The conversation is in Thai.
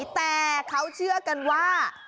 แต่เขาเชื่อกันว่า